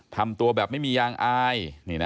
ทำตัวแบบไม่มียางอาย